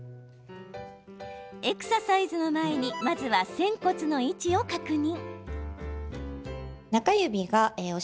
エクササイズの前にまずは仙骨の位置を確認。